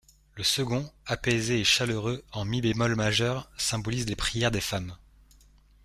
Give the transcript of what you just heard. Le second, apaisé et chaleureux, en mi bémol majeur, symbolise les prières des femmes.